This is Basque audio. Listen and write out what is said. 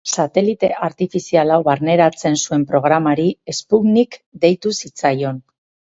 Satelite artifizial hau barneratzen zuen programari Sputnik deitu zitzaion.